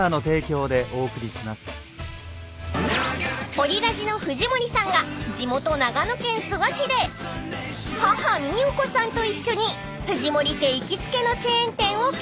［オリラジの藤森さんが地元長野県諏訪市で母美代子さんと一緒に藤森家行きつけのチェーン店をＰＲ］